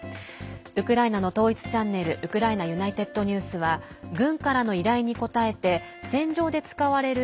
ウクライナの統一チャンネルウクライナＵｎｉｔｅｄＮｅｗｓは軍からの依頼に応えて戦場で使われる